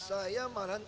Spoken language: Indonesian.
saya marah nggak